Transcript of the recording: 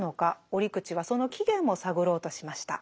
折口はその起源も探ろうとしました。